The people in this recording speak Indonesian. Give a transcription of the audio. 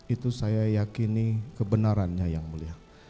itu saya yakini kebenarannya yang mulia